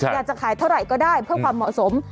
อยากจะขายเท่าไหร่ก็ได้เพื่อความเหมาะสม